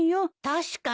確かに。